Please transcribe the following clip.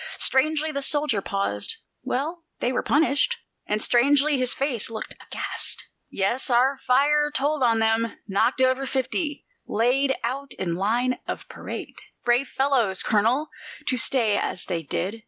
Strangely the soldier paused: "Well, they were punished." And strangely his face looked, aghast. "Yes, our fire told on them; knocked over fifty laid out in line of parade. Brave fellows, Colonel, to stay as they did!